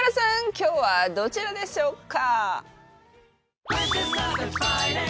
きょうはどちらでしょうか。